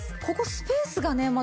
ここスペースがね